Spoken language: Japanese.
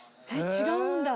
違うんだ。